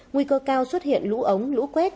nguy cơ cao xuất hiện lũ ống lũ quét